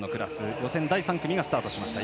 予選第３組がスタートしました。